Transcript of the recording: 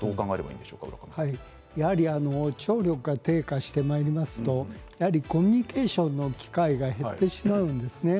やはり聴力が低下してまいりますとコミュニケーションの機会が減ってしまうんですね。